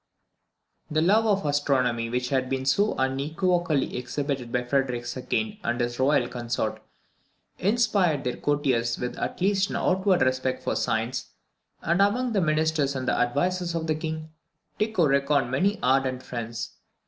_ The love of astronomy which had been so unequivocally exhibited by Frederick II. and his Royal Consort, inspired their courtiers with at least an outward respect for science; and among the ministers and advisers of the King, Tycho reckoned many ardent friends.